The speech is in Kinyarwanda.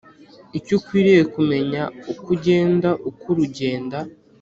Icyo ukwiriye kumenya Uko ugenda ukura ugenda